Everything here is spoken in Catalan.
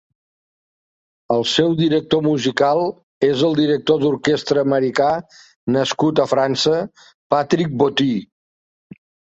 Els seu director musical és el director d'orquestra americà nascut a França, Patrick Botti.